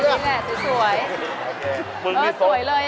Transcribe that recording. เหมือนชื่อมึงมีฟังอะไรก็แบบที่นี่โอ้สวยเลย